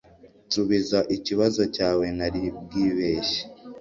nsubiza ikibazo cyawe ntari bwibeshye